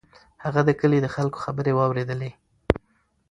هغه د کلي د خلکو خبرې واورېدلې.